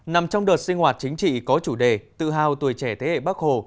nằm trong đợt sinh hoạt chính trị có chủ đề tự hào tuổi trẻ thế hệ bắc hồ